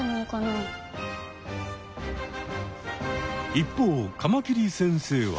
一方カマキリ先生は。